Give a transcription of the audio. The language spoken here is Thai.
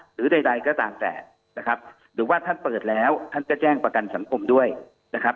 หรือใดก็ตามแต่นะครับหรือว่าท่านเปิดแล้วท่านก็แจ้งประกันสังคมด้วยนะครับ